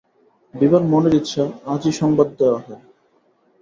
বিভার মনের ইচ্ছা আজই সংবাদ দেওয়া হয়।